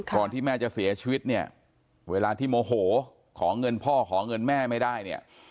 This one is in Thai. ที่แม่จะเสียชีวิตเนี่ยเวลาที่โมโหขอเงินพ่อขอเงินแม่ไม่ได้เนี่ย